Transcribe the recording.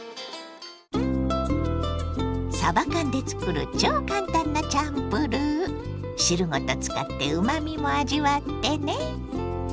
さば缶で作る超簡単なチャンプルー。汁ごと使ってうまみも味わってね。